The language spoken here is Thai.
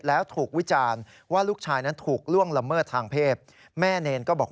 และถูกวิจารณ์ว่าลูกชายนั้น